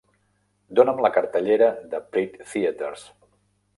Dona'm la cartellera de Plitt Theatres